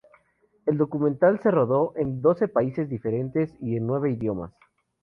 El documental se rodó en doce países diferentes y en nueve idiomas.